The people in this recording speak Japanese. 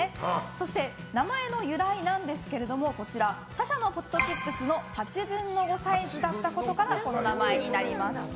そして名前の由来なんですけども他社のポテトチップスの８分の５サイズだったことからこの名前になりました。